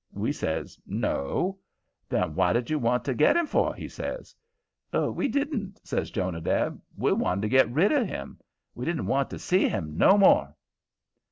We says "No." "Then what did you want to get him for?" he says. "We didn't," says Jonadab. "We wanted to get rid of him. We don't want to see him no more."